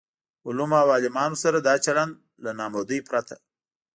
علومو او عالمانو سره دا چلن له نابودۍ پرته.